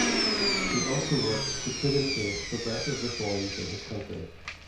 He also worked to put in place progressive reforms in his country.